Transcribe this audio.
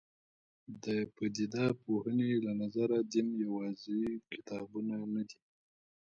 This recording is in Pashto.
د پدیده پوهنې له نظره دین یوازې کتابونه نه دي.